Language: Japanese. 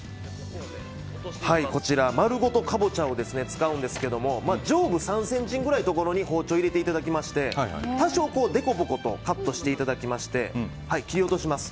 丸ごとカボチャを使うんですけど上部３ｃｍぐらいのところに包丁を入れていただきまして多少、凸凹とカットしていただきまして切り落とします。